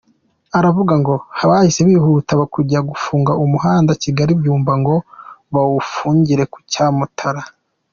Aravuga ngo bahise bihutira kujya gufunga umuhanda Kigali – Byumba, ngo bawufungira ku Cyamutara.